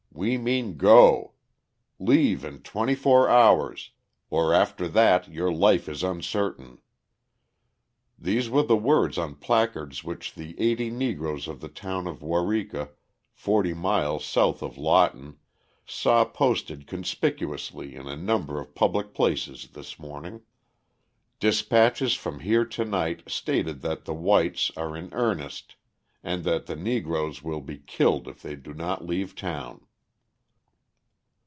We mean Go! Leave in twenty four hours, or after that your life is uncertain." These were the words on placards which the eighty Negroes of the town of Waurika, forty miles south of Lawton, saw posted conspicuously in a number of public places this morning. Dispatches from here to night stated that the whites are in earnest, and that the Negroes will be killed if they do not leave town.